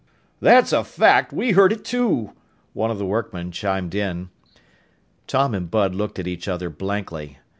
"That's a fact! We heard it, too!" one of the workmen chimed in. Tom and Bud looked at each other blankly.